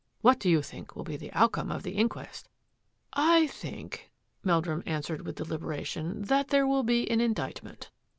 " What do you think will be the outcome of the inquest? "" I think," Meldrum answered with delibera tion, " that there will be an indictment.